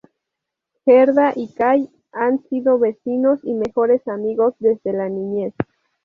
Gerda y Kay han sido vecinos y mejores amigos desde la niñez.